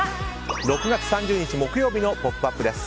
６月３０日、木曜日の「ポップＵＰ！」です。